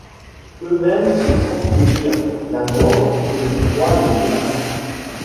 Eux-mêmes se sentent vieillir, la mort et le froid les menacent.